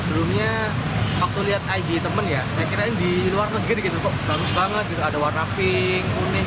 sebelumnya waktu lihat ig temen ya saya kirain di luar negeri kok bagus banget ada warnanya pink kuning